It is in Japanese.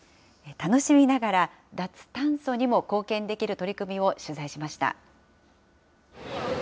楽しみながら脱炭素にも貢献できる取り組みを取材しました。